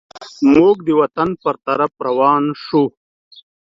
موږ د وطن پر طرف روان سوو.